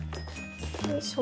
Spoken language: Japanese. よいしょ。